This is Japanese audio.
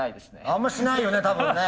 あんましないよね多分ね。